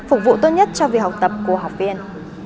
phục vụ tốt nhất cho việc học tập của học viên